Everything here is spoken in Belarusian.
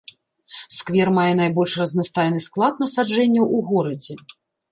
Сквер мае найбольш разнастайны склад насаджэнняў у горадзе.